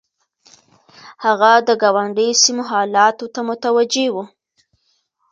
هغه د ګاونډيو سيمو حالاتو ته متوجه و.